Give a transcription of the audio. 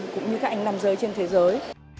năm mươi cũng như các anh nam giới trên thế giới